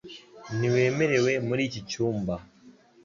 Ntiwemerewe muri iki cyumba